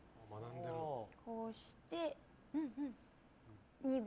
こうして、２秒。